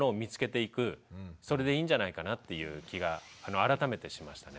それでいいんじゃないかなっていう気が改めてしましたね。